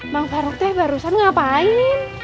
bang farouk teh barusan ngapain